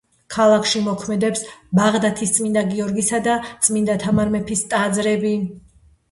ქალაქში მოქმედებს ბაღდათის წმინდა გიორგისა და წმინდა თამარ მეფის ტაძრები.